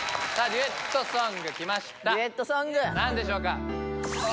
デュエットソングきました何でしょうか？